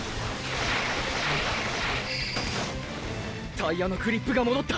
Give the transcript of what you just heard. タイヤのグリップが戻った！！